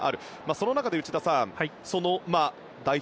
その中で内田さんその代表